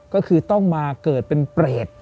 ก็คือต้องมาเกิดเป็นเปรต